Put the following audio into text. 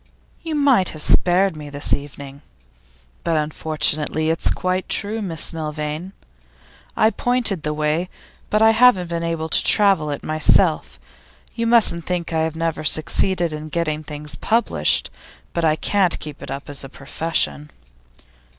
'You might have spared me this evening. But unfortunately it's quite true, Miss Milvain. I point the way, but I haven't been able to travel it myself. You mustn't think I have never succeeded in getting things published; but I can't keep it up as a profession.